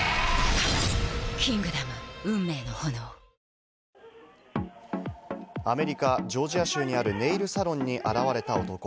ニトリアメリカ・ジョージア州にあるネイルサロンに現れた男。